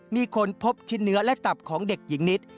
มีคนพบชิ้นเนื้อและตับของเด็กหญิงนิด